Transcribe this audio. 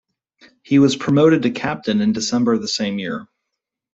He was promoted to captain in December the same year.